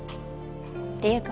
っていうか